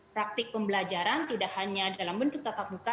praktik pembelajaran tidak hanya dalam bentuk tatap muka